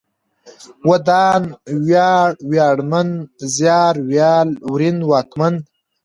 ودان ، وياړ ، وياړمن ، زيار، ويال ، ورين ، واکمن